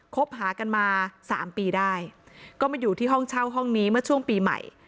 คบหากันมาสามปีได้ก็มาอยู่ที่ห้องเช่าห้องนี้เมื่อช่วงปีใหม่